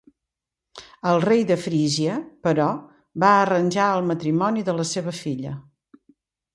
El rei de Frígia, però, va arranjar el matrimoni de la seva filla.